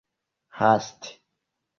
haste